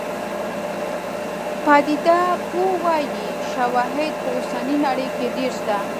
پدیده پوه وايي شواهد په اوسنۍ نړۍ کې ډېر شته.